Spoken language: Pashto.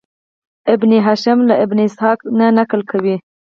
ابن هشام له ابن اسحاق نه نقل کوي.